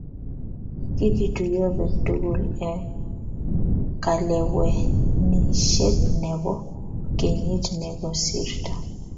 kikituyo biik tugul eng' kalewenisiet nebo kenyit ne kosirto